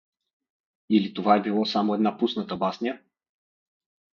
Или това е било само една пусната басня?